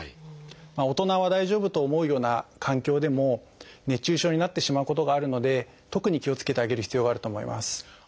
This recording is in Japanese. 大人は大丈夫と思うような環境でも熱中症になってしまうことがあるので特に気をつけてあげる必要があると思います。